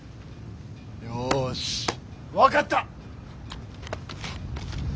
よし分かった！